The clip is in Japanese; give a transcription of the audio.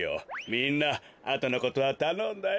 みんなあとのことはたのんだよ。